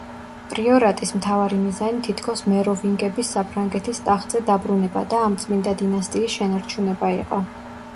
პრიორატის მთავარი მიზანი თითქოს მეროვინგების საფრანგეთის ტახტზე დაბრუნება და ამ წმინდა დინასტიის შენარჩუნება იყო.